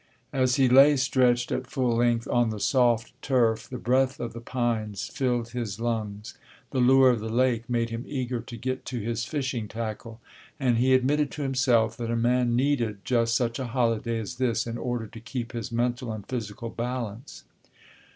As he lay stretched at full length on the soft turf, the breath of the pines filled his lungs, the lure of the lake made him eager to get to his fishing tackle, and he admitted to himself that a man needed just such a holiday as this in order to keep his mental and physical balance.